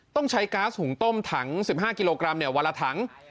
ต้องใช้ก๊าซหุงต้มถัง๑๕กิโลกรัมวันละถัง